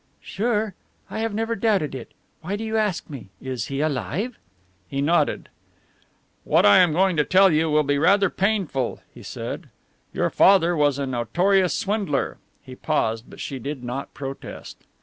"Sure? I have never doubted it. Why do you ask me? Is he alive?" He nodded. "What I am going to tell you will be rather painful," he said: "your father was a notorious swindler." He paused, but she did not protest.